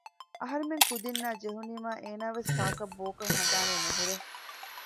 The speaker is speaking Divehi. އަހަރުމެން ކުދިންނާ ޖެހުނީމާ އޭނާވެސް ކާކަށް ބޯކަށް ހަނދާނެއް ނުހުރޭ